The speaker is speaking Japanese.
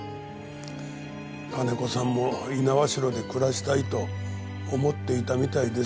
金子さんも猪苗代で暮らしたいと思っていたみたいですよ。